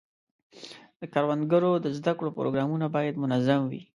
د کروندګرو د زده کړو پروګرامونه باید منظم وي.